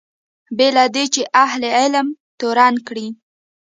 بې له دې چې اهل علم تورن کړي.